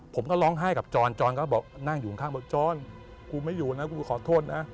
ผมก็ร้องไห้กับจรจรก็บอกนั่งอยู่ข้างบอกจรกูไม่อยู่นะกูขอโทษนะ